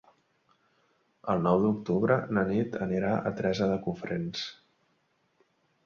El nou d'octubre na Nit anirà a Teresa de Cofrents.